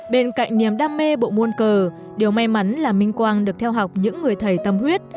bên cạnh niềm đam mê bộ muôn cờ điều may mắn là minh quang được theo học những người thầy tâm huyết